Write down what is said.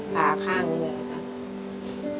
ผ่าข้างหนึ่งเลยครับ